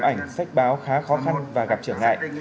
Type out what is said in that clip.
ảnh sách báo khá khó khăn và gặp trở ngại